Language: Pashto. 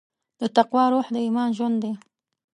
د تقوی روح د ایمان ژوند دی.